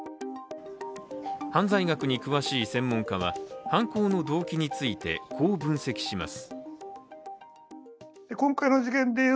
犯罪学に詳しい専門家は、犯行の動機についてこう分析します。